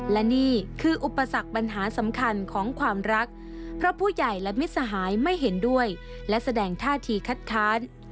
และนี่คืออุปสรรคปัญหาสำคัญของความรักเพราะผู้ใหญ่และมิตรสหายไม่เห็นด้วยและแสดงท่าทีคัดค้าน